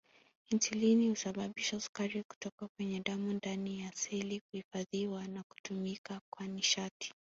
Insulini husababisha sukari kutoka kwenye damu ndani ya seli kuhifadhiwa au kutumika kwa nishati